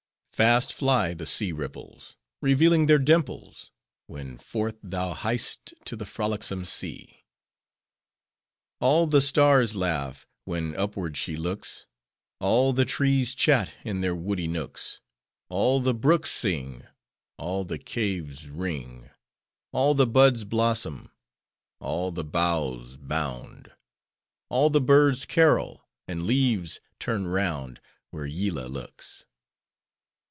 — Fast fly the sea ripples, Revealing their dimples, When forth, thou hi'st to the frolicsome sea! All the stars laugh, When upward she looks: All the trees chat In their woody nooks: All the brooks sing; All the caves ring; All the buds blossom; All the boughs bound; All the birds carol; And leaves turn round, Where Yillah looks!